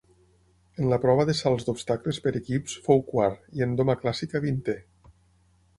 En la prova de salts d'obstacles per equips fou quart i en doma clàssica vintè.